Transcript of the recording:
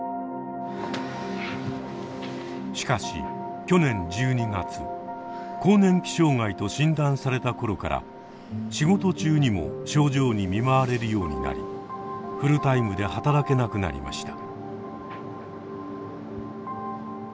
しかし去年１２月更年期障害と診断された頃から仕事中にも症状に見舞われるようになりフルタイムで働けなくなりました。